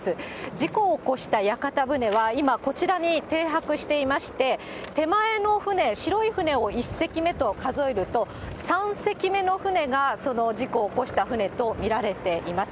事故を起こした屋形船は、今、こちらに停泊していまして、手前の船、白い船を１隻目と数えると、３隻目の船がその事故を起こした船と見られています。